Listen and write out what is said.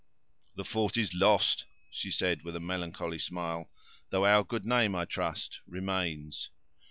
"The fort is lost," she said, with a melancholy smile; "though our good name, I trust, remains."